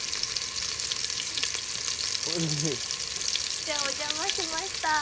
じゃあお邪魔しました。